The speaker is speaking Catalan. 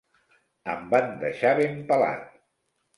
Em van deixar ben pelat.